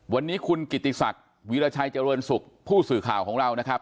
วันนี้คุณกิติศักดิ์วีรชัยเจริญสุขผู้สื่อข่าวของเรานะครับ